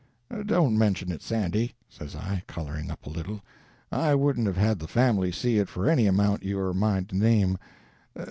"Don't mention it, Sandy," says I, coloring up a little; "I wouldn't have had the family see it for any amount you are a mind to name.